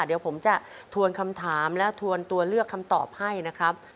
เดี๋ยวผมจะทวนคำถามและทวนตัวเลือกคำตอบให้นะครับ